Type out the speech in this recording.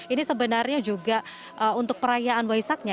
ini sebenarnya juga untuk perayaan waisaknya